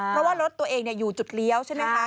เพราะว่ารถตัวเองอยู่จุดเลี้ยวใช่ไหมคะ